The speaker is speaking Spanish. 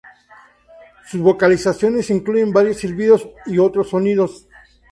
Sus vocalizaciones incluyen varios silbidos y otros sonidos.